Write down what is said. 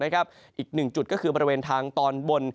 อีกหนึ่งจุดก็คือบริเวณทางตอนบน